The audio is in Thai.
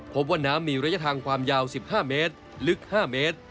พบว่าน้ำมีระยะทางความยาว๑๕เมตรลึก๕เมตร